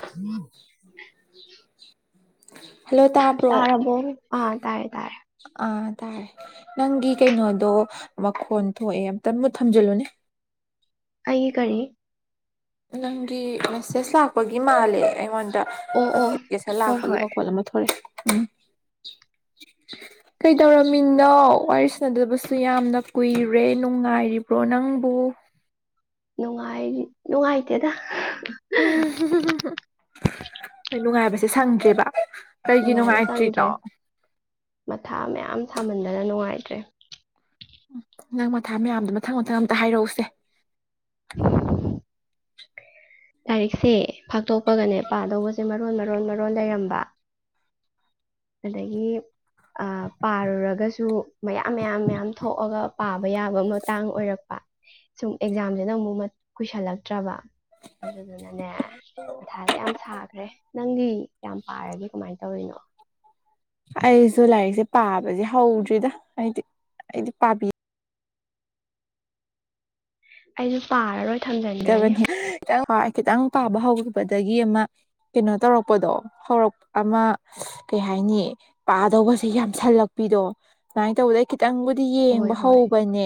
ꯎꯝ hello ꯇꯥꯕ꯭ꯔꯣ ꯇꯥꯔꯥꯔꯕꯣ ꯑꯥ ꯇꯥꯔꯦ ꯇꯥꯔꯦ ꯑꯥ ꯇꯥꯔꯦ ꯅꯪꯒꯤ ꯀꯩꯅꯣꯗꯣ ꯃꯈꯣꯟ ꯊꯣꯛꯑꯦ ꯑꯝꯇꯪ ꯃꯨꯠ ꯊꯝꯖꯤꯜꯂꯨꯅꯦ ꯑꯩꯌꯦ ꯀꯔꯤ ꯅꯪꯒꯤ ꯃꯦꯁꯦꯁ ꯂꯥꯛꯄꯒꯤ ꯃꯥꯜꯂꯦ ꯑꯩꯉꯣꯟꯗ ꯑꯣ ꯑꯣ ꯀꯦꯁꯔ ꯍꯣꯏ ꯂꯥꯛꯄꯒꯤ ꯍꯣꯏ ꯃꯈꯣꯜ ꯑꯃ ꯊꯣꯛꯂꯛꯑꯦ ꯎꯝ ꯀꯩꯗꯧꯔꯝꯃꯤꯅꯣ ꯋꯥꯔꯤ ꯁꯥꯟꯅꯗꯕꯁꯨ ꯌꯥꯝꯅ ꯀꯨꯏꯔꯦ ꯅꯨꯡꯉꯥꯏꯔꯤꯕ꯭ꯔꯣ ꯅꯪꯕꯨ ꯅꯨꯡꯉꯥꯏ ꯅꯨꯡꯉꯥꯏꯇꯦꯗ ꯎꯝ ꯍꯣꯏ ꯅꯨꯡꯉꯥꯏꯕꯁꯦ ꯁꯪꯗ꯭ꯔꯦꯕ ꯀꯩꯒꯤ ꯅꯨꯡꯉꯥꯏꯕ ꯆꯪꯗ꯭ꯔꯦ ꯅꯨꯡꯉꯥꯏꯇ꯭ꯔꯤꯅꯣ ꯃꯊꯥ ꯃꯌꯥꯝ ꯁꯥꯃꯟꯗꯅ ꯅꯨꯡꯉꯥꯏꯇ꯭ꯔꯦ ꯎꯝ ꯅꯪ ꯃꯊꯥ ꯃꯌꯥꯝꯗꯣ ꯃꯊꯪ ꯃꯊꯪ ꯑꯝꯇ ꯍꯥꯏꯔꯛꯎꯁꯦ ꯂꯥꯏꯔꯤꯛꯁꯦ ꯐꯥꯛꯇꯣꯛꯄꯒꯅꯦ ꯄꯥꯗꯧꯕꯁꯦ ꯃꯔꯣꯟ ꯃꯔꯣꯟ ꯃꯔꯣꯟ ꯂꯩꯔꯝꯕ ꯑꯗꯒꯤ ꯄꯥꯔꯨꯔꯒꯁꯨ ꯃꯌꯥꯝ ꯃꯌꯥꯝ ꯃꯌꯥꯝ ꯊꯣꯛꯑꯒ ꯄꯥꯕ ꯌꯥꯕ ꯃꯇꯥꯡ ꯑꯣꯏꯔꯛꯄ ꯁꯨꯝ ꯑꯦꯛꯖꯥꯝꯁꯤꯅ ꯑꯃꯨꯛ ꯀꯨꯏꯁꯜꯂꯛꯇ꯭ꯔꯕ ꯑꯗꯨꯗꯨꯅꯅꯦ ꯃꯊꯥꯁꯦ ꯌꯥꯝ ꯁꯥꯈ꯭ꯔꯦ ꯅꯪꯗꯤ ꯌꯥꯝ ꯄꯥꯔꯒꯦ ꯀꯃꯥꯏꯅ ꯇꯧꯔꯤꯅꯣ ꯑꯩꯁꯨ ꯂꯥꯏꯔꯤꯛꯁꯦ ꯄꯥꯕꯁꯦ ꯍꯧꯗ꯭ꯔꯤꯗ ꯑꯩꯗꯤ ꯑꯩꯗꯤ ꯄꯥꯕꯤ ꯑꯩꯁꯨ ꯄꯥꯔꯔꯣꯏ ꯊꯝꯖꯤꯟꯈ꯭ꯔꯅꯤ ꯄꯤꯗꯕꯅꯤ ꯈꯤꯇꯪ ꯍ ꯈꯤꯇꯪ ꯄꯥꯕ ꯍꯧꯈꯤꯕꯗꯒꯤ ꯑꯃ ꯀꯩꯅꯣ ꯇꯧꯔꯛꯄꯗꯣ ꯍꯧꯔꯛ ꯑꯃ ꯀꯩ ꯍꯥꯏꯅꯤ ꯄꯥꯗꯧꯕꯁꯦ ꯌꯥꯝꯁꯜꯂꯛꯄꯤꯗꯣ ꯁꯨꯃꯥꯏꯅ ꯇꯧꯕꯗ ꯈꯤꯇꯪꯕꯨꯗꯤ ꯍꯣꯏ ꯌꯦꯡꯕ ꯍꯣꯏ ꯍꯧꯕꯅꯦ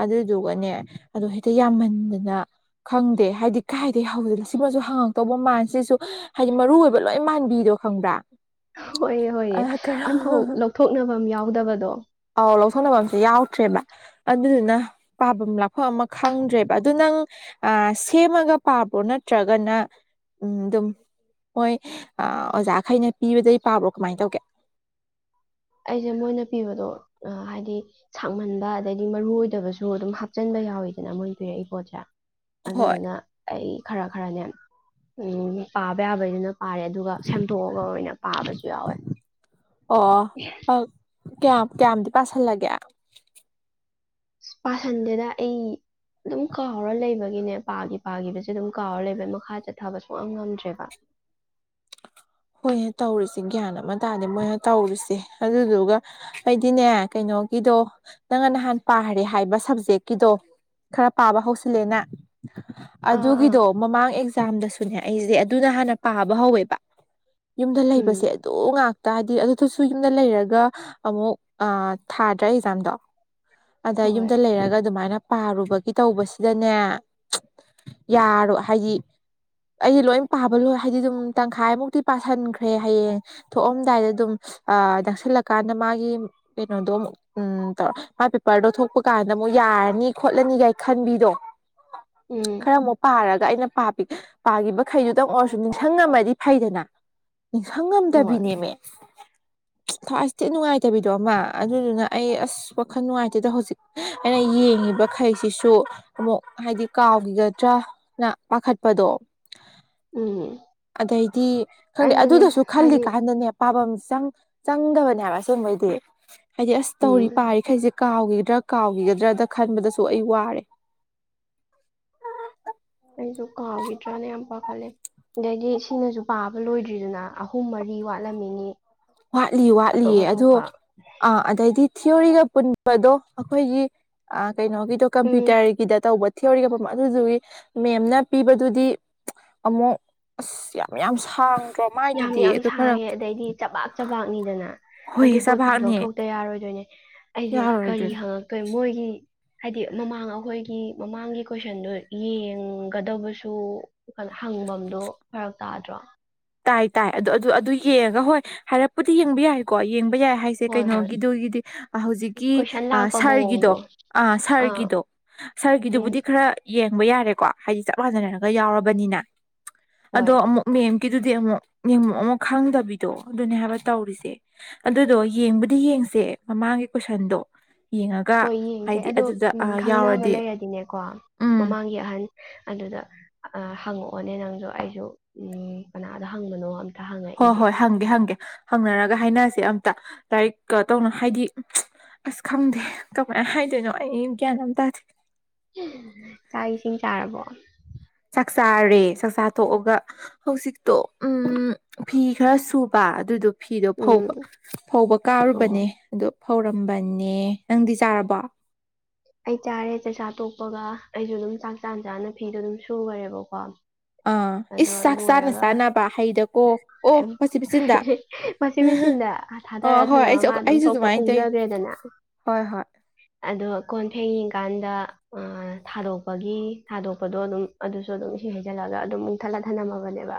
ꯑꯗꯨꯗꯨꯒꯅꯦ ꯑꯗꯨꯗ ꯍꯦꯛꯇ ꯌꯥꯝꯃꯟꯗꯅ ꯈꯪꯗꯦ ꯍꯥꯏꯗꯤ ꯀꯥꯏꯗꯒꯤꯩ ꯍꯧꯗꯦꯅ ꯁꯤꯃꯁꯨ ꯍꯪꯉꯛꯇꯧꯕ ꯃꯥꯟꯁꯤꯁꯨ ꯍꯥꯏꯗꯤ ꯃꯔꯨ ꯑꯣꯏꯕ ꯂꯣꯏ ꯃꯥꯟꯕꯤꯗꯣ ꯈꯪꯕ꯭ꯔꯥ ꯍꯣꯏꯑ ꯍꯣꯏꯌꯦ ꯑ ꯑꯃꯝꯐꯥꯎ ꯀꯔꯝ ꯂꯧꯊꯣꯛꯅꯕ ꯑꯃ ꯌꯥꯎꯗꯕꯗꯣ ꯑꯧ ꯂꯧꯊꯣꯛꯅꯕ ꯑꯝꯁꯦ ꯌꯥꯎꯗ꯭ꯔꯦꯕ ꯑꯗꯨꯗꯨꯅ ꯄꯥꯐꯝ ꯂꯥꯛꯐꯝ ꯑꯃ ꯈꯪꯗ꯭ꯔꯦꯕ ꯑꯗꯨ ꯅꯪ ꯑ ꯁꯦꯝꯃꯒ ꯄꯥꯕ꯭ꯔꯣ ꯅꯠꯇ꯭ꯔꯒꯅ ꯎꯝ ꯑꯗꯨꯝ ꯃꯣꯏ ꯑꯣꯖꯥꯈꯩꯅ ꯄꯤꯕꯗꯩ ꯄꯥꯕ꯭ꯔꯣ ꯀꯃꯥꯏꯅ ꯇꯧꯒꯦ ꯑꯩꯁꯦ ꯃꯣꯏꯅ ꯄꯤꯕꯗꯣ ꯍꯥꯏꯗꯤ ꯁꯥꯡꯃꯟꯕ ꯑꯗꯩꯗꯤ ꯃꯔꯨ ꯑꯣꯏꯗꯕꯁꯨ ꯑꯗꯨꯝ ꯍꯥꯞꯆꯟꯕ ꯌꯥꯎꯋꯤꯗꯅ ꯃꯣꯏ ꯄꯤꯔꯛꯏ ꯄꯣꯠꯁꯦ ꯍꯣꯏ ꯑꯗꯨꯗꯨꯅ ꯑꯩ ꯈꯔ ꯈꯔꯅꯦ ꯎꯝ ꯄꯥꯕ ꯌꯥꯕꯩꯗꯨꯅ ꯄꯥꯔꯦ ꯑꯗꯨꯒ ꯁꯦꯝꯗꯣꯛꯑꯒ ꯑꯣꯏꯅ ꯄꯥꯕꯁꯨ ꯌꯥꯎꯋꯦ ꯑꯣ ꯀꯌꯥꯝ ꯀꯌꯥꯝꯗꯤ ꯄꯥꯥꯁꯜꯂꯒꯦ ꯄꯁꯟꯗꯦꯗ ꯑꯩ ꯑꯗꯨꯝ ꯀꯥꯎꯔ ꯂꯩꯕꯒꯤꯅꯦ ꯄꯥꯒꯤ ꯄꯥꯈꯤꯕꯁꯦ ꯑꯗꯨꯝ ꯀꯥꯎꯔ ꯂꯩꯕ ꯃꯈꯥ ꯆꯠꯊꯕꯁꯨꯨꯡ ꯌꯥꯝ ꯉꯝꯗ꯭ꯔꯦꯕ ꯍꯣꯏꯅ ꯇꯧꯔꯤꯁꯦ ꯒ꯭ꯌꯥꯟ ꯑꯃ ꯇꯥꯔꯗꯤ ꯃꯣꯏꯅ ꯇꯧꯔꯤꯁꯦ ꯑꯗꯨꯗꯨꯒ ꯑꯩꯗꯤꯅꯦ ꯀꯩꯅꯣꯒꯤꯗꯣ ꯅꯪꯅ ꯅꯍꯥꯟ ꯄꯥꯈꯔꯦ ꯍꯥꯏꯕ ꯁꯕꯖꯦꯛꯀꯤꯗꯣ ꯈꯔ ꯄꯥꯕ ꯍꯧꯁꯤꯜꯂꯦꯅ ꯑꯥ ꯑꯥ ꯑꯗꯨꯒꯤꯗꯣ ꯃꯃꯥꯡ ꯑꯦꯛꯖꯥꯝꯗꯁꯨꯅꯦ ꯑꯩꯁꯤꯗꯤ ꯑꯗꯨꯅ ꯍꯥꯟꯅ ꯄꯥꯕ ꯍꯧꯋꯦꯕ ꯌꯨꯝꯗ ꯂꯩꯕꯁꯦ ꯎꯝ ꯑꯗꯨ ꯉꯥꯛꯇ ꯍꯥꯏꯗꯤ ꯑꯗꯨꯗꯨꯁꯨ ꯌꯨꯝꯗ ꯂꯩꯔꯒ ꯑꯃꯨꯛ ꯊꯥꯗ꯭ꯔꯥ ꯑꯦꯛꯖꯥꯝꯗꯣ ꯑꯗ ꯍꯣꯏ ꯌꯨꯝꯗ ꯂꯩꯔꯒ ꯑꯗꯨꯃꯥꯏꯅ ꯄꯥꯔꯨꯕꯒꯤ ꯇꯧꯕꯁꯤꯗꯅꯦ ꯌꯥꯔꯣ ꯍꯥꯏꯗꯤ ꯑꯩꯗꯤ ꯂꯣꯏ ꯄꯥꯕ ꯂꯣꯏ ꯍꯥꯏꯗꯤ ꯑꯗꯨꯝ ꯇꯪꯈꯥꯏꯃꯨꯛꯇꯤ ꯄꯥꯁꯟꯈ꯭ꯔꯦ ꯍꯌꯦꯡ ꯊꯣꯛꯑꯝꯗꯥꯏꯗ ꯑꯗꯨꯝ ꯅꯛꯁꯤꯜꯂꯛꯀꯥꯟꯗ ꯃꯥꯒꯤ ꯑꯩꯅꯣꯗꯣ ꯎꯝ ꯇꯧꯔ ꯃꯥ ꯄꯦꯄꯔꯗꯣ ꯊꯣꯛꯄ ꯀꯥꯟꯗ ꯑꯃꯨꯛ ꯌꯥꯔꯅꯤ ꯈꯣꯠꯂꯅꯤꯒꯥꯏ ꯈꯟꯕꯤꯗꯣ ꯎꯝ ꯈꯔ ꯑꯃꯨꯛ ꯄꯥꯔꯒ ꯑꯩꯅ ꯄꯥꯈꯤꯕꯈꯩꯗꯨꯗꯪ ꯑꯣꯏꯔꯁꯨ ꯅꯤꯡꯁꯤꯡꯉꯝꯃꯗꯤ ꯐꯩꯗꯅ ꯅꯤꯡꯁꯪ ꯍꯣꯏ ꯉꯝꯗꯕꯤꯅꯦꯃꯦ ꯊꯁꯇꯤ ꯅꯨꯡꯉꯥꯏꯇꯕꯤꯗꯣ ꯑꯃ ꯑꯗꯨꯗꯨꯅ ꯑꯩ ꯑꯁ ꯋꯥꯈꯜ ꯅꯨꯡꯉꯥꯏꯇꯦꯗ ꯍꯧꯖꯤꯛ ꯑꯩꯅ ꯌꯦꯡꯉꯤꯕꯈꯩꯁꯤꯁꯨ ꯑꯃꯨꯛ ꯍꯥꯏꯗꯤ ꯀꯥꯎꯈꯤꯒꯗ꯭ꯔꯥ ꯅ ꯄꯥꯈꯠꯄꯗꯣ ꯎꯝ ꯑꯗꯩꯗꯤ ꯈꯪꯗꯦ ꯑꯩꯁꯨꯅꯦ ꯑꯗꯨꯗꯁꯨ ꯈꯜꯂꯤ ꯍꯥꯏꯗꯤ ꯀꯥꯏ ꯑꯗꯅꯦ ꯄꯥꯐꯝ ꯆꯪꯗꯕꯅꯦꯕ ꯑꯁꯦꯡꯕꯩꯗꯤ ꯍꯥꯏꯗꯤ ꯑꯁ ꯇꯧꯔꯤ ꯎꯝ ꯄꯥꯔꯤ ꯈꯩꯖꯤ ꯀꯥꯎꯈꯤꯗ꯭ꯔꯥ ꯀꯥꯎꯈꯤꯒꯗ꯭ꯔꯗ ꯈꯟꯕꯗꯁꯨ ꯑꯩ ꯋꯥꯔꯦ ꯑꯩꯁꯨ ꯀꯍꯥꯎꯒꯤꯗ꯭ꯔꯥꯅ ꯌꯥꯞꯄꯥꯈꯠꯂ‌ꯦ ꯑꯗꯒꯤ ꯁꯤꯅꯁꯨ ꯄꯥꯕ ꯂꯣꯏꯗ꯭ꯔꯤꯗꯨꯅ ꯑꯍꯨꯝ ꯃꯔꯤ ꯋꯥꯠꯂꯝꯃꯤꯅꯤ ꯋꯥꯠꯂꯤ ꯑꯇꯣꯞ ꯋꯥꯠꯂꯤꯌꯦ ꯑꯗꯣ ꯑꯇꯣꯞꯄ ꯑ ꯑꯗꯩꯗꯤ ꯊꯤꯑꯣꯣꯔꯤꯒ ꯄꯨꯟꯕꯗꯣ ꯑꯩꯈꯣꯏꯒꯤ ꯑ ꯀꯩꯅꯣꯒꯤꯗꯣ ꯎꯝ ꯀꯝꯄ꯭ꯌꯨꯇꯔꯒꯤꯗ ꯇꯧꯕ ꯊꯤꯑꯣꯔꯤꯒꯞꯄ ꯑꯗꯨꯗꯨꯒꯤ ꯃꯦꯝꯅ ꯄꯤꯕꯗꯨꯗꯤ ꯑꯃꯨꯛ ꯑꯁ ꯌꯥꯝ ꯌꯥꯝ ꯁꯥꯡ ꯌꯥꯝ ꯌꯥꯝ ꯊꯥꯡꯉꯦ ꯑꯗꯩꯗꯤ ꯆꯕꯥꯛ ꯆꯕꯥꯛꯅꯤꯗꯅ ꯍꯣꯏ ꯑꯗꯨꯏ ꯄꯣꯠꯇꯨꯁꯨ ꯆꯕꯥꯛꯅꯦ ꯂꯧꯊꯣꯛꯇ ꯌꯥꯔꯣꯏꯗꯣꯏꯅꯦ ꯑꯩꯁꯦ ꯀꯔꯤ ꯌꯥꯔꯣꯏꯗ꯭ꯔꯤꯅꯦ ꯍꯡꯉꯛ ꯑꯩꯈꯣꯏ ꯃꯣꯏꯒꯤ ꯍꯥꯏꯗꯤ ꯃꯃꯥꯡ ꯑꯩꯈꯣꯏꯒꯤ ꯃꯃꯥꯡꯒꯤ ꯀꯣꯏꯁꯟꯗꯨꯣ ꯌꯦꯡꯒꯗꯕꯁꯨ ꯍꯪꯐꯝꯗꯨ ꯐꯔꯛ ꯇꯥꯗ꯭ꯔꯣ ꯇꯥꯏ ꯇꯥꯏ ꯑꯗꯨ ꯑꯗꯨ ꯑꯗꯨ ꯌꯦꯡꯉꯒ ꯍꯣꯏ ꯍꯥꯏꯔꯛꯄꯨꯗꯤ ꯌꯦꯡꯕ ꯌꯥꯏꯀꯣ ꯌꯦꯡꯕ ꯌꯥꯏ ꯍꯥꯏ ꯁꯦ ꯍꯣꯏ ꯍꯣꯏ ꯀꯩꯅꯣꯒꯤꯗꯨꯒꯤꯗꯤ ꯍꯧꯖꯤꯛꯀꯤ ꯀꯣꯏꯁꯟ ꯂꯥꯛꯄ ꯁꯥꯔꯒꯤꯗꯣ ꯃꯑꯣꯡꯗꯣ ꯑꯥ ꯁꯥꯔꯒꯤꯗꯣ ꯎꯝ ꯁꯥꯔꯒꯤꯗꯨꯕꯨꯗꯤ ꯈꯔ ꯌꯦꯡꯕ ꯌꯥꯔꯦꯀꯣ ꯍꯥꯏꯗꯤ ꯆꯞ ꯃꯥꯟꯅꯅꯔꯒ ꯌꯥꯎꯔꯕꯅꯤꯅ ꯍꯣꯏ ꯑꯗꯣ ꯑꯃꯨꯛ ꯃꯦꯝ ꯀꯤꯗꯨꯗꯤ ꯑꯃꯨꯛ ꯅꯤꯌꯨꯝ ꯑꯃꯨ ꯈꯪꯗꯕꯤꯗꯣ ꯑꯗꯨꯅꯦ ꯍꯥꯏꯕ ꯇꯧꯔꯤꯁꯦ ꯑꯗꯨꯗꯣ ꯌꯦꯡꯕꯨꯗꯤ ꯌꯦꯡꯁꯦ ꯃꯃꯥꯡꯒꯤ ꯀꯣꯏꯁꯟꯗꯣ ꯌꯦꯡꯉꯒ ꯍꯣꯏ ꯌꯦꯡꯁꯦ ꯍꯥꯏꯗꯤ ꯑꯗꯣ ꯑꯗꯨꯗ ꯎꯝ ꯈꯪꯅꯕ ꯌꯥꯎꯔꯗꯤ ꯂꯩꯔꯗꯤꯅꯦꯀꯣ ꯎꯝ ꯃꯃꯥꯡꯒꯤ ꯑꯍꯟ ꯑꯗꯨꯗ ꯍꯪꯉꯛꯑꯣꯅꯦ ꯅꯪꯁꯨ ꯑꯩꯁꯨ ꯎꯝ ꯀꯅꯥꯗꯣ ꯍꯪꯕꯅꯣ ꯑꯃ ꯍꯣꯏ ꯍꯣꯏ ꯍꯪꯒꯦ ꯍꯪꯒꯦ ꯍꯪꯅꯔꯒ ꯍꯥꯏꯅꯁꯦ ꯑꯝꯇ ꯂꯥꯏꯔꯤꯛ ꯀꯇꯧꯅ ꯍꯥꯏꯗꯤ ꯑꯁ ꯈꯪꯗꯦ ꯀꯃꯥꯏꯅ ꯍꯥꯏꯗꯣꯏꯅꯣ ꯑꯩ ꯒ꯭ꯌꯥꯟ ꯑꯃ ꯇꯥꯗꯦ ꯆꯥꯛ ꯏꯁꯤꯡ ꯆꯥꯔꯕꯣ ꯆꯥꯛꯆꯥꯥꯔꯦ ꯆꯥꯛꯆꯥ ꯇꯣꯛꯑꯒ ꯍꯧꯖꯤꯛꯇꯣ ꯎꯝ ꯐꯤ ꯈꯔ ꯁꯨꯕ ꯑꯗꯨꯗꯣ ꯐꯤꯗꯣ ꯎꯝ ꯐꯧꯕ ꯐꯧꯕ ꯑꯣ ꯀꯥꯔꯨꯕꯅꯦ ꯑꯗꯣ ꯐꯧꯔꯝꯕꯅꯦ ꯅꯪꯗꯤ ꯆꯥꯔꯕꯣ ꯑꯩ ꯆꯥꯔꯦ ꯆꯥꯛꯁꯥ ꯇꯣꯛꯄꯒ ꯑꯩꯁꯨ ꯑꯗꯨꯝ ꯆꯥꯛ ꯆꯥꯟ ꯆꯥꯅ ꯐꯤꯗꯣ ꯑꯗꯨꯝ ꯁꯨꯈꯔꯦꯕꯀꯣ ꯑꯥ ꯑꯗꯣ ꯏꯁ ꯆꯥꯛ ꯆꯥꯅ ꯆꯥꯅꯕ ꯍꯩꯗꯀꯣ ꯑꯣ ꯑꯩꯝ ꯋꯥꯆꯤꯟ ꯃꯦꯆꯤꯟꯗ ꯋꯥꯁꯤꯡ ꯃꯦꯆꯤꯟꯗ ꯑꯣ ꯊꯥꯗꯔ ꯍꯣꯏ ꯊꯅꯝꯃꯥ ꯑꯩꯁꯨ ꯃꯥ ꯑꯗꯨꯝ ꯑꯩꯁꯨ ꯊꯣꯛꯄ ꯑꯗꯨꯃꯥꯏꯅ ꯇꯧꯏ ꯎꯖꯈ꯭ꯔꯦꯗꯅ ꯍꯣꯏ ꯍꯣꯏ ꯑꯗꯣ ꯀꯣꯟ ꯐꯦꯡꯉꯤ ꯀꯥꯟꯗ ꯑꯥ ꯊꯥꯔꯣꯏꯄꯥꯟꯕꯤ ꯊꯥꯗꯣꯛꯄꯗꯣ ꯑꯗꯨꯝ ꯑꯗꯨꯁꯨ ꯑꯗꯨꯝ ꯏꯁꯤꯡ ꯍꯩꯖꯜꯂꯒ ꯑꯗꯨꯝ ꯃꯨꯛ ꯊꯠꯂ ꯊꯅꯝꯃꯕꯅꯦꯕ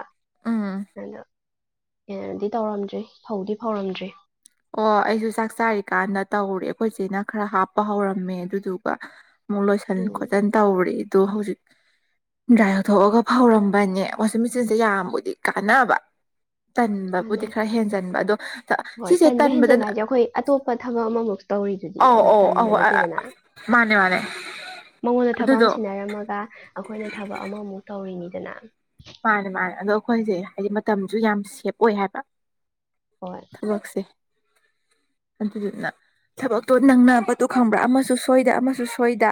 ꯎꯝ ꯑꯗꯣ ꯍꯦꯟꯅꯗꯤ ꯇꯧꯔꯝꯗ꯭ꯔꯤ ꯐꯧꯗꯤ ꯐꯧꯔꯝꯗ꯭ꯔꯤ ꯑꯣ ꯑꯩꯁꯨ ꯆꯥꯛ ꯆꯥꯔꯤꯀꯥꯟꯗ ꯇꯧꯔꯦ ꯑꯩꯈꯣꯏꯆꯦꯅ ꯈꯔ ꯍꯥꯞꯄ ꯍꯧꯔꯝꯃꯦ ꯑꯗꯨꯗꯨꯒ ꯑꯃꯨꯛ ꯂꯣꯏꯁꯟ ꯎꯝ ꯈꯣꯠꯆꯟ ꯇꯧꯔꯦ ꯑꯗꯨ ꯍꯧꯖꯤꯛ ꯗ꯭ꯔꯥꯏ ꯂꯧꯊꯣꯛꯑꯒ ꯐꯧꯔꯝꯕꯅꯦ ꯋꯥꯁꯤꯡ ꯃꯦꯆꯤꯟꯁꯦ ꯌꯥꯝꯕꯨꯗꯤ ꯀꯥꯟꯅꯕ ꯇꯟꯕꯕꯨꯗꯤ ꯀꯥꯟꯅꯩ ꯈꯔ ꯍꯦꯟꯖꯟꯕ ꯑꯗꯣ ꯍꯣꯏ ꯁꯤꯁꯦ ꯇꯟꯕ ꯍꯦꯟꯖꯟꯕ ꯇꯟꯕꯗꯅ ꯍꯥꯏꯁꯦ ꯑꯩꯈꯣꯏ ꯑꯇꯣꯞꯄ ꯊꯕꯛ ꯑꯃꯃꯨꯛꯁꯨ ꯇꯧꯔꯤꯗꯨꯗꯤ ꯑꯧ ꯑꯗꯣ ꯑꯧ ꯇꯟꯕ ꯑꯧ ꯅꯠꯇꯦꯗꯅ ꯃꯥꯅꯦ ꯃꯥꯅꯦ ꯃꯉꯣꯟꯗ ꯊꯕꯛ ꯑꯃ ꯑꯗꯨꯗꯣ ꯁꯤꯟꯅꯔꯝꯃꯒ ꯑꯩꯈꯣꯏꯅ ꯊꯕꯛ ꯑꯃꯃꯨꯛ ꯇꯧꯔꯤꯅꯤꯗꯅ ꯃꯥꯅꯦ ꯃꯥꯅꯦ ꯑꯗꯣ ꯑꯩꯈꯣꯏꯁꯦ ꯍꯥꯏꯗꯤ ꯃꯇꯝꯁꯨ ꯌꯥꯝ ꯁꯦꯞ ꯑꯣꯏ ꯍꯥꯏꯕ ꯍꯣꯏ ꯊꯕꯛꯁꯦ [inaudible] ꯑꯗꯨꯗꯨꯅ ꯊꯕꯛꯇꯣ ꯅꯪꯅꯥ ꯄꯠꯇꯨ ꯈꯪꯕ꯭ꯔꯥ ꯑꯃꯁꯨ ꯁꯣꯏꯗ ꯑꯃꯁꯨ ꯁꯣꯏꯗ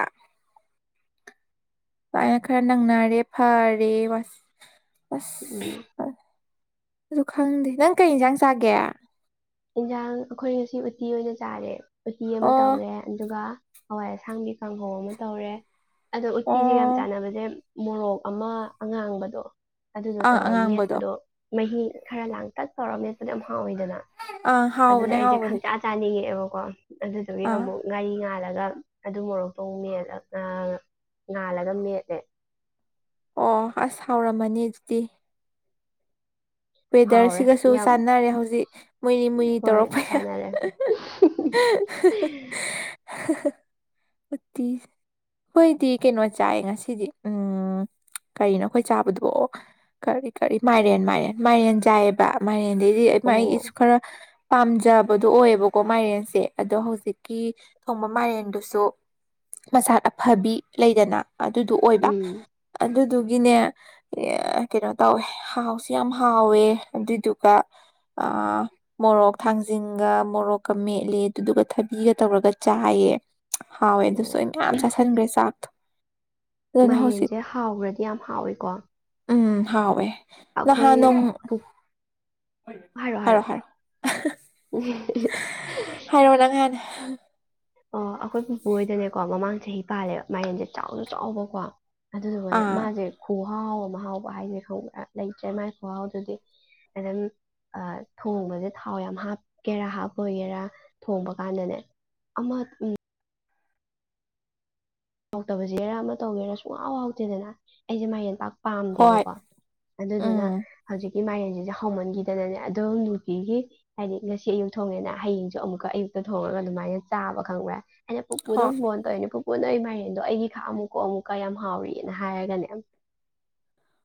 ꯗꯥꯏꯅꯥ ꯈꯔ ꯅꯪꯅꯔꯗꯤ ꯐꯔꯦ ꯋꯥꯁ ꯑꯁ ꯎꯝ ꯑꯗꯨ ꯈꯪꯗꯦ ꯅꯪ ꯀꯩ ꯏꯟꯁꯥꯡ ꯆꯥꯒꯦ ꯏꯟꯁꯥꯡ ꯑꯩꯈꯣꯏ ꯉꯁꯤ ꯎꯇꯤ ꯑꯣꯏꯅ ꯆꯥꯔꯦ ꯎꯇꯤ ꯑꯃ ꯑꯣ ꯇꯧꯔꯦ ꯑꯗꯨꯒ ꯍꯋꯥꯏ ꯑꯁꯥꯡꯕꯤ ꯀꯥꯡꯍꯧ ꯑꯃ ꯇꯧꯔꯦ ꯑꯗꯣ ꯎꯠꯇꯤꯁꯤꯒ ꯌꯥꯝ ꯑꯣ ꯆꯥꯟꯅꯕꯁꯦ ꯃꯣꯔꯣꯛ ꯑꯃ ꯑꯉꯥꯡꯕꯗꯣ ꯑꯗꯨꯗꯣ ꯑꯪ ꯇꯧꯔ ꯑꯉꯥꯡꯕꯗꯣ ꯃꯦꯠꯄꯗꯣ ꯃꯍꯤ ꯈꯔ ꯂꯥꯡꯇꯛ ꯇꯧꯔꯃꯦꯠꯄꯗꯨ ꯌꯥꯝ ꯍꯥꯎꯏꯗꯕ ꯑꯪ ꯑꯗꯨꯗ ꯍꯥꯎꯕꯅꯦ ꯑꯩꯁꯦ ꯍꯥꯎꯕꯅꯦ ꯈꯪꯆꯥ ꯆꯥꯅꯤꯡꯉꯦꯑꯦꯕꯀꯣ ꯑꯗꯨꯗꯨꯒꯤ ꯑꯥ ꯑꯃꯨꯛ ꯉꯥꯔꯤ ꯉꯥꯜꯂꯒ ꯑꯗꯨ ꯃꯣꯔꯣꯛꯇꯨ ꯑꯃꯨꯛ ꯃꯦꯠꯂ ꯉꯥꯜꯂ ꯉꯥꯜꯂꯒ ꯃꯦꯠꯂꯦ ꯑꯣ ꯑꯁ ꯍꯥꯎꯔꯝꯃꯅꯤ ꯑꯗꯨꯗꯤ ꯍꯥꯎꯔꯦ ꯋꯦꯗꯔꯁꯤꯒꯁꯨ ꯌꯥꯝ ꯆꯥꯟꯅꯔꯦ ꯍꯧꯖꯤꯛ ꯃꯨꯏꯔꯤ ꯃꯨꯏꯔꯤ ꯍꯣꯏ ꯇꯧꯔꯛꯄꯩꯔꯥ ꯆꯥꯟꯅꯔꯦ ꯎꯠꯇꯤꯖ ꯑꯩꯈꯣꯏꯗꯤ ꯀꯩꯅꯣ ꯆꯥꯏ ꯉꯁꯤꯗꯤ ꯎꯝ ꯀꯔꯤꯅꯣ ꯑꯩꯈꯣꯏ ꯆꯥꯕꯗꯨꯕꯨ ꯑꯣ ꯀꯔꯤ ꯀꯔꯤ ꯃꯥꯏꯔꯦꯟ ꯃꯥꯏꯔꯦꯟ ꯃꯥꯏꯔꯦꯟ ꯆꯥꯏꯑꯕ ꯃꯥꯏꯔꯦꯟꯗꯩꯗꯤ ꯑꯣ ꯃꯒꯤꯁꯨ ꯈꯔ ꯄꯥꯝꯖꯕꯗꯣ ꯑꯣꯏꯌꯦꯕꯀꯣ ꯃꯥꯏꯔꯦꯟꯁꯦ ꯑꯗꯣ ꯍꯧꯖꯤꯛꯀꯤ ꯊꯣꯡꯕ ꯃꯥꯏꯔꯦꯟꯗꯨꯁꯨ ꯃꯁꯥꯠ ꯑꯐꯕꯤ ꯂꯩꯗꯅ ꯑꯗꯨꯗꯣ ꯑꯣꯏꯕ ꯎꯝ ꯑꯗꯨꯗꯨꯒꯤꯅꯦ ꯀꯩꯅꯣ ꯇꯧꯋꯦ ꯍꯥꯎꯁꯤ ꯌꯥꯝ ꯍꯥꯎꯋꯦ ꯑꯗꯨꯗꯨꯒ ꯑ ꯃꯣꯔꯣꯛ ꯊꯥꯡꯖꯤꯡꯒ ꯃꯣꯔꯣꯛꯀ ꯃꯦꯠꯂꯦ ꯑꯗꯨꯗꯨꯒ ꯊꯕꯤꯒ ꯇꯧꯔꯒ ꯆꯥꯏꯌꯦ ꯍꯥꯎꯋꯦ ꯑꯗꯨꯁꯨ ꯑꯣ ꯑꯩ ꯃꯌꯥꯝ ꯆꯥꯁꯤꯟꯈ꯭ꯔꯦ ꯆꯥꯛꯊꯣ ꯃꯥꯏꯔꯦꯟꯁꯦ ꯍꯥꯎꯈ꯭ꯔꯗꯤ ꯌꯥꯝ ꯍꯥꯎꯏꯀꯣ ꯎꯝ ꯍꯥꯎꯋꯦ ꯍꯥ ꯅꯣꯡ ꯍꯔꯣ ꯍꯔꯣ ꯎ ꯍꯥꯏꯔꯣ ꯅꯪꯍꯥꯟꯅ ꯑꯣ ꯑꯩꯈꯣꯏ ꯄꯨꯄꯨ ꯍꯣꯏꯗꯅꯦꯀꯣ ꯃꯃꯥꯡ ꯆꯍꯤ ꯄꯥꯜꯂꯦꯕ ꯃꯥꯏꯔꯦꯟꯁꯦ ꯆꯥꯎꯅ ꯆꯥꯎꯕꯀꯣ ꯑꯗꯨꯗꯨꯕꯨꯅꯦ ꯑꯥ ꯃꯥꯁꯦ ꯈꯨꯍꯥꯎ ꯑꯃ ꯃꯍ ꯃꯍꯥꯎꯕ ꯍꯥꯏꯁꯦ ꯈꯪꯕ꯭ꯔꯥ ꯂꯩꯇ꯭ꯔꯦ ꯃꯥꯥꯏ ꯈꯨꯍꯥꯎꯗꯨꯗꯤ ꯑꯦ ꯊꯣꯡꯕꯁꯦ ꯊꯥꯎ ꯌꯥꯝ ꯍꯥꯞꯀꯦꯔꯥ ꯍꯥꯞꯄꯣꯏꯒꯦꯔꯥ ꯊꯣꯡꯕ ꯀꯥꯟꯗꯅꯦ ꯑ ꯍꯥꯎꯇꯕꯁꯦꯔꯥ ꯑꯃ ꯇꯧꯒꯦꯔꯥ ꯁꯨꯡꯍꯥꯎ ꯍꯥꯎꯇꯦꯗꯅ ꯑꯩꯁꯦ ꯃꯌꯦꯟ ꯄꯥꯛ ꯍꯣꯏ ꯄꯥꯝꯗꯦꯕꯀꯣ ꯑꯗꯨꯗꯨꯅ ꯎꯝ ꯍꯧꯖꯤꯛꯀꯤ ꯃꯥꯏꯔꯟꯁꯤꯁꯦ ꯍꯧꯥꯎꯃꯟꯈꯤꯗꯅꯅꯦ ꯑꯗꯣ ꯅꯨꯅꯨꯡꯇꯤꯒꯤ ꯍꯥꯏꯗꯤ ꯉꯁꯤ ꯑꯌꯨꯛ ꯊꯣꯡꯉꯦꯅ ꯍꯌꯦꯡꯁꯨ ꯑꯃꯨꯛꯀ ꯑꯌꯨꯛꯇ ꯊꯣꯡꯉꯒ ꯑꯗꯨꯃꯥꯏꯅ ꯆꯥꯕ ꯈꯪꯕ꯭ꯔꯦ ꯑꯩꯅ ꯄꯨꯄꯨꯗꯣꯝ ꯍꯣꯏ ꯕꯣꯟ ꯇꯧꯋꯦꯅꯦ ꯄꯨꯄꯨꯅ ꯑꯩ ꯃꯥꯏꯔꯦꯟꯗꯣ ꯑꯩꯒꯤ ꯈ ꯑꯃꯨꯛꯀꯣ ꯑꯃꯨꯛꯀ ꯌꯥꯝ ꯍꯥꯎꯔꯤꯑꯅ ꯍꯥꯏꯔꯒꯅꯦ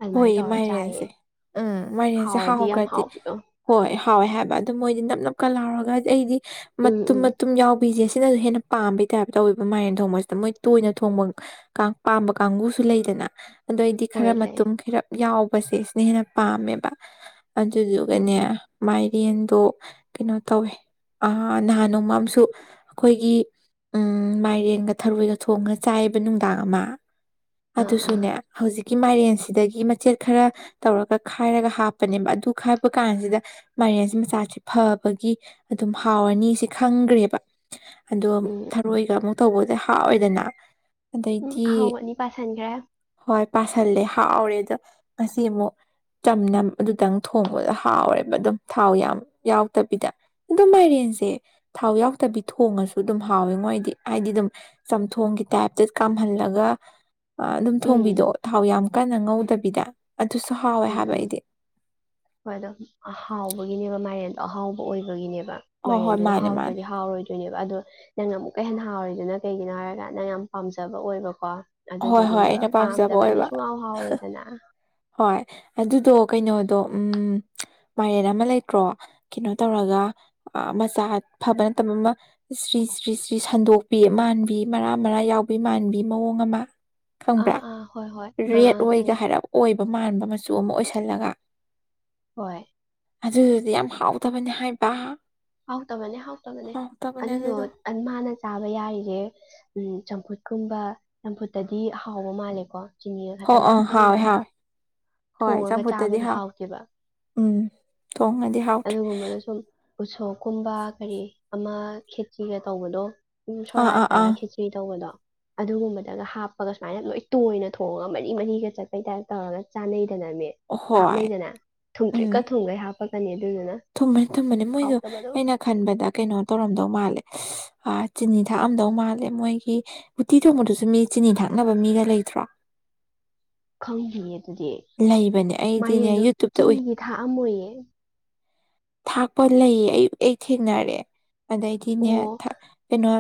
ꯑꯗꯨꯃꯥꯏꯅ ꯍꯣꯏꯌꯦ ꯇꯧꯔ ꯆꯥꯏꯌꯦ ꯃꯥꯏꯔꯦꯟꯁꯦ ꯎꯝ ꯃꯥꯏꯔꯦꯟꯁꯦ ꯍꯥꯎꯔꯗꯤ ꯌꯥꯝ ꯍꯥꯎꯈ꯭ꯔꯗꯤ ꯍꯥꯎꯕꯤꯗꯣ ꯍꯣꯏ ꯍꯥꯎꯋꯦ ꯍꯥꯏꯕ ꯑꯗꯨ ꯃꯣꯏꯗꯤ ꯅꯞ ꯅꯞꯀ ꯂꯥꯎꯔꯒꯗꯤ ꯑꯩꯗꯤ ꯎꯝ ꯃꯇꯨꯝ ꯎꯝ ꯃꯇꯨꯝ ꯌꯥꯎ ꯍꯨꯏꯁꯦ ꯁꯤꯅꯁꯨ ꯍꯦꯟꯅ ꯄꯥꯝꯕꯩ ꯇꯥꯏꯞ ꯇꯧꯋꯤꯕ ꯃꯥꯏꯔꯟ ꯊꯣꯡꯕꯁꯤꯗ ꯃꯣꯏ ꯇꯣꯏꯅ ꯊꯣꯡꯕ ꯄꯥꯝꯕ ꯀꯥꯡꯕꯨꯁꯨ ꯂꯩꯗꯅ ꯑꯗꯨꯗꯏꯗꯤ ꯈꯔ ꯍꯣꯏ ꯂꯩ ꯃꯇ ꯈꯈꯤꯔꯞ ꯌꯥꯎꯕꯁꯦ ꯁꯤꯅ ꯍꯦꯟꯅ ꯄꯥꯝꯃꯦꯕ ꯎꯝ ꯑꯗꯨꯗꯨꯒꯅꯦ ꯃꯥꯏꯔꯦꯟꯗꯣ ꯀꯩꯅꯣ ꯇꯧꯋꯦ ꯅꯍꯥꯟ ꯅꯣꯡꯃꯝꯨ ꯑꯩꯈꯣꯏꯒꯤ ꯎꯝ ꯃꯥꯏꯔꯦꯟꯒ ꯊꯔꯣꯏꯒ ꯊꯣꯡꯉ ꯆꯥꯏꯕ ꯅꯨꯡꯗꯥꯡ ꯑꯃ ꯑꯥ ꯑꯥ ꯑꯗꯨꯁꯨꯅꯦ ꯍꯧꯖꯤꯛꯀꯤ ꯃꯥꯏꯔꯦꯟꯁꯦ ꯁꯤꯗꯒꯤ ꯃꯆꯦꯠ ꯈꯔ ꯇꯧꯔꯒ ꯈꯥꯏꯔꯒ ꯍꯥꯞꯄꯅꯦꯕ ꯑꯗꯨ ꯈꯥꯏꯕ ꯀꯥꯟꯁꯤꯗ ꯃꯥꯏꯔꯦꯟꯁꯤ ꯃꯆꯥꯁꯤꯦ ꯐꯕꯒꯤ ꯑꯗꯨꯝ ꯍꯥꯎꯔꯅꯤ ꯁꯤ ꯈꯪꯈ꯭ꯔꯦꯕ ꯑꯗꯣ ꯎꯝ ꯊꯔꯣꯏꯒ ꯑꯃꯨꯛ ꯇꯧꯕꯁꯦ ꯍꯥꯥꯎꯋꯤꯏꯗꯅ ꯎꯝ ꯑꯗꯩꯗꯤ ꯑꯍꯥꯎꯕ ꯑꯅꯤ ꯄꯥꯁꯟꯈ꯭ꯔꯦ ꯍꯣꯏ ꯄꯁꯤꯜꯂꯦ ꯍꯥꯎꯔꯦ ꯑꯗꯣ ꯉꯁꯤ ꯑꯃꯨꯛ ꯆꯝꯅ ꯑꯗꯨꯗꯪ ꯊꯣꯡꯕꯗ ꯍꯥꯎꯔꯦꯕ ꯑꯗꯨꯝ ꯊꯥꯎ ꯌꯥꯝ ꯌꯥꯎꯗꯕꯤꯗ ꯑꯗꯨꯝ ꯃꯥꯏꯔꯦꯟꯁꯦ ꯊꯥꯎ ꯌꯥꯎꯗꯕꯤ ꯊꯣꯡꯉꯁꯨ ꯑꯗꯨꯝ ꯍꯥꯎꯋꯦ ꯃꯣꯏꯗꯤ ꯍꯥꯏꯗꯤ ꯑꯗꯨꯝ ꯆꯝꯊꯣꯡꯒꯤ ꯇꯥꯏꯞꯇ ꯀꯥꯝꯍꯜꯂꯒ ꯑꯗꯨꯝ ꯊꯣꯡꯕꯤꯗꯣ ꯎꯝ ꯊꯥꯎ ꯌꯥꯝ ꯀꯟꯅ ꯉꯧꯗꯕꯤꯗ ꯑꯗꯨꯁꯨ ꯍꯥꯎꯋꯦ ꯎꯝ ꯍꯥꯏꯕ ꯎꯝ ꯑꯩꯗꯤ ꯍꯣꯏ ꯑꯗꯣ ꯑꯍꯥꯎꯕꯒꯤꯅꯦꯕ ꯃꯥꯏꯔꯦꯟꯗꯣ ꯑꯍꯥꯎꯕ ꯑꯣꯏꯕꯒꯤꯅꯦꯕ ꯍꯣꯏ ꯍꯣꯏ ꯃꯥꯏꯔꯦꯟꯗꯨꯅ ꯃꯥꯅꯦ ꯃꯥꯅꯦ ꯍꯥꯎꯇ꯭ꯔꯗꯤ ꯍꯥꯎꯔꯣꯏꯗꯣꯏ ꯑꯗꯣ ꯅꯪꯅ ꯑꯃꯨꯛꯀ ꯍꯦꯟꯅ ꯍꯥꯎꯔꯤꯗꯨꯅ ꯀꯩꯒꯤꯅꯣ ꯍꯥꯏꯔꯒ ꯅꯪ ꯌꯥꯝꯅ ꯄꯥꯝꯖꯕ ꯑꯣꯏꯕꯀꯣ ꯍꯣꯏ ꯍꯣꯏ ꯑꯗꯨꯗꯨꯒꯤꯅꯦꯕ ꯑꯩꯅ ꯄꯥꯝꯖꯕ ꯄꯥꯝꯗꯕꯗꯤ ꯑꯣꯏꯕ ꯁꯨꯡꯍꯥꯎ ꯍꯥꯎꯋꯦꯗꯅ ꯍꯣꯏ ꯑꯗꯨꯗꯣ ꯀꯩꯅꯣꯗꯣ ꯎꯝ ꯃꯥꯏꯔꯦꯟ ꯑꯃ ꯂꯩꯇ꯭ꯔꯣ ꯀꯩꯅꯣ ꯇꯧꯔꯒ ꯃꯆꯥ ꯐꯕ ꯅꯠꯇꯕ ꯑꯃ ꯁ꯭ꯔꯤ ꯁ꯭ꯔꯤ ꯁ꯭ꯔꯤ ꯁꯟꯗꯣꯛꯄꯤ ꯃꯥꯟꯕꯤ ꯃꯔꯥ ꯃꯔꯥ ꯌꯥꯎꯕꯤ ꯃꯥꯟꯕꯤ ꯃꯑꯣꯡ ꯑꯃ ꯈꯪꯕ꯭ꯔꯥ ꯑꯥ ꯑꯥ ꯍꯣꯏ ꯍꯣꯏ ꯑꯥ ꯔꯦꯠ ꯑꯥ ꯑꯣꯏꯒ ꯈꯪꯉꯦ ꯍꯥꯏꯔꯧ ꯑꯣꯏꯕ ꯃꯥꯟꯕ ꯃꯆꯨ ꯑꯃ ꯑꯣꯏꯁꯜꯂꯒ ꯍꯣꯏ ꯑꯗꯨꯗꯨꯗꯤ ꯌꯥꯝ ꯍꯥꯎꯗꯕꯅꯤ ꯍꯥꯏꯕ ꯍꯥꯎꯇꯕꯅꯦ ꯍꯥꯎꯇꯕꯅꯦ ꯑꯗꯨꯗꯣ ꯃꯥꯅ ꯆꯥꯕ ꯌꯥꯔꯤꯖꯦ ꯎꯝ ꯆꯝꯐꯨꯠꯀꯨꯝꯕ ꯆꯝꯐꯨꯠꯇꯗꯤ ꯑꯍꯥꯎꯕ ꯃꯥꯜꯂꯦꯀꯣ ꯆꯤꯅꯤꯒ ꯍꯣ ꯈꯛꯇꯪ ꯑꯥ ꯍꯥꯎꯋꯦ ꯊꯥꯞꯆꯟꯈ꯭ꯔꯒ ꯍꯥꯎꯋꯦ ꯍꯣꯏ ꯊꯣꯡꯉꯒ ꯆꯝꯐꯨꯠꯇꯗꯤ ꯆꯥꯕꯗꯤ ꯍꯥꯎꯋꯦ ꯍꯥꯎꯇꯦꯕ ꯎꯝ ꯊꯣꯡꯉꯗꯤ ꯍꯥꯎꯇ꯭ꯔꯦ ꯑꯗꯨꯒꯨꯝꯕꯗ ꯁꯨꯝ ꯎꯁꯣꯛꯀꯨꯝꯕ ꯀꯔꯤ ꯑꯃ ꯈꯦꯠꯆꯤꯢ ꯇꯧꯕꯗꯣ ꯑꯥ ꯑꯥ ꯑꯥ ꯁꯣꯔꯥꯠꯇꯔꯥ ꯈꯦꯠꯆ ꯀꯩ ꯇꯧꯕꯗꯣ ꯑꯗꯨꯒꯨꯝꯕꯗꯒ ꯍꯥꯞꯄꯒ ꯁꯨꯃꯥꯏꯅ ꯌꯥꯝ ꯂꯣꯏ ꯇꯣꯏꯅ ꯊꯣꯡꯉꯒ ꯃꯔꯤ ꯃꯔꯤꯒ ꯆꯠꯄꯩ ꯇꯥꯏꯞ ꯇꯧꯔꯒ ꯆꯥꯟꯅꯩꯗꯅꯅꯦ ꯍꯣꯏ ꯍꯥꯞꯅꯩꯗꯅ ꯎꯝ ꯊꯨꯝꯗ꯭ꯔꯤꯛꯀ ꯊꯨꯝꯒꯩ ꯍꯥꯞꯄꯀꯅꯤ ꯑꯗꯨꯗꯨꯅ ꯊꯨꯝꯃꯅꯤ ꯊꯨꯝꯃꯅꯦ ꯃꯣꯏꯗꯣ ꯍꯥꯎꯇꯕꯗꯣ ꯑꯩꯅ ꯈꯟꯕꯗ ꯀꯩꯅꯣ ꯇꯧꯔꯝꯗꯧ ꯃꯥꯜꯂꯦ ꯆꯤꯅꯤ ꯊꯥꯛꯑꯝꯗꯧ ꯃꯥꯜꯂꯦ ꯃꯣꯏꯒꯤ ꯎꯇꯤ ꯊꯣꯡꯕꯗꯨꯁꯨ ꯃꯤ ꯆꯤꯅꯤ ꯊꯛꯅꯕ ꯃꯤꯒ ꯂꯩꯇ꯭ꯔꯣ ꯈꯪꯗꯌꯦ ꯑꯗꯨꯗꯤ ꯂꯩꯕꯅꯦ ꯑꯩꯗꯤꯅꯦ ꯃꯥꯢꯌꯦꯟꯗꯣ ꯌꯨꯇ꯭ꯌꯨꯕꯇ ꯎꯏ ꯆꯤꯅꯤꯗꯤ ꯊꯥꯛ ꯑꯃꯣꯏꯌꯦ ꯊꯥꯛꯄ ꯂꯩꯌꯦ ꯑꯩ ꯑꯩ ꯊꯦꯡꯅꯔꯦ ꯑꯗꯩꯗꯤꯅꯦ ꯑꯣ ꯀꯩꯅꯣ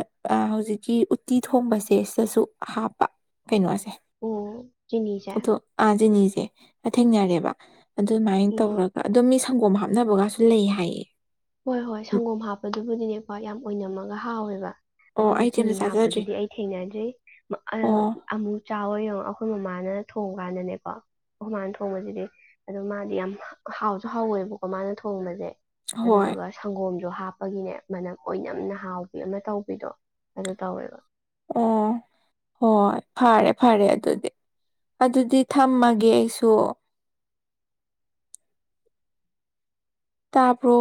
ꯍꯧꯖꯤꯛꯀꯤ ꯎꯠꯇꯤ ꯊꯣꯡꯕꯁꯦ ꯁꯤꯗꯁꯨ ꯍꯥꯞꯄ ꯀꯩꯅꯣꯁꯦ ꯑꯣ ꯆꯤꯅꯤꯖꯦ ꯑꯗꯣ ꯆꯤꯅꯤꯁꯦ ꯊꯦꯡꯅꯔꯦꯕ ꯑꯗꯨꯃꯥꯏꯅ ꯎꯝ ꯇꯧꯔꯒ ꯑꯗꯣ ꯃꯤ ꯁꯪꯒꯣꯝ ꯍꯥꯞꯅꯕꯒꯁꯨ ꯂꯩ ꯍꯥꯏꯌꯦ ꯍꯣꯏ ꯍꯣꯏ ꯁꯪꯒꯣꯝ ꯍꯥꯞꯄꯗꯨꯕꯨꯗꯤꯅꯦꯀꯣ ꯌꯥꯝ ꯑꯣꯏꯅꯝꯃꯒ ꯍꯥꯎꯋꯦꯕ ꯑꯣ ꯑꯗꯨꯒ ꯑꯩꯗꯤ ꯑꯝꯇ ꯆꯤꯅꯤ ꯆꯥꯖꯗ꯭ꯔꯤ ꯍꯥꯞꯄꯗꯨꯗꯤ ꯑꯩ ꯊꯦꯡꯅꯗ꯭ꯔꯤ ꯑꯣ ꯑꯃꯨꯛ ꯆꯥꯎꯋ ꯌꯦꯡꯉꯣ ꯑꯩꯈꯣꯏ ꯃꯃꯥꯅ ꯊꯣꯡ ꯀꯥꯟꯗꯅꯦꯀꯣ ꯑꯩꯈꯣꯏ ꯃꯥꯅ ꯊꯣꯡꯕꯁꯤꯗꯤ ꯑꯗꯣ ꯃꯥꯗꯤ ꯌꯥꯝ ꯍꯥꯎꯁꯨ ꯍꯥꯎꯋꯦꯕꯀꯣ ꯃꯥꯅ ꯊꯣꯡꯕꯁꯦ ꯍꯣꯏ ꯑꯗꯨꯗꯨꯒ ꯁꯪꯒꯣꯝꯁꯨ ꯍꯥꯞꯄꯒꯤꯅꯦ ꯃꯅꯝ ꯑꯣꯏꯅꯝꯅ ꯍꯥꯎꯕꯤ ꯑꯃ ꯇꯧꯕꯤꯗꯣ ꯑꯗꯨ ꯇꯧꯋꯦꯕ ꯑꯣ ꯍꯣꯏ ꯐꯔꯦ ꯐꯔꯦ ꯑꯗꯨꯗꯤ ꯑꯗꯨꯗꯤ ꯊꯝꯃꯒꯦ ꯑꯩꯁꯨ ꯇꯥꯕ꯭ꯔꯣ